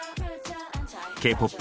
Ｋ−ＰＯＰ